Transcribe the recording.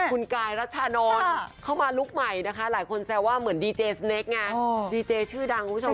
คุณกายรัชชานอนเข้ามาลุคใหม่นะคะหลายคนแซวว่าเหมือนดีเจสเนคไงดีเจชื่อดังคุณผู้ชม